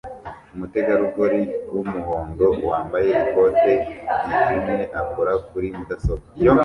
Umutegarugori wumuhondo wambaye ikote ryijimye akora kuri mudasobwa